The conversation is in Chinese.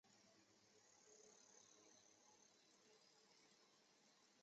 李继崇被封为陇西郡王。